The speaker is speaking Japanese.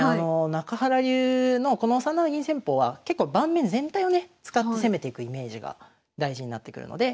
中原流のこの３七銀戦法は結構盤面全体をね使って攻めていくイメージが大事になってくるので